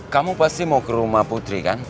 kamu pasti mau ke rumah putri kan